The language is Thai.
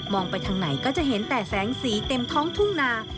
ไปทางไหนก็จะเห็นแต่แสงสีเต็มท้องทุ่งนา